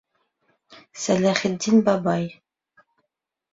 Сәләхетдин бабай...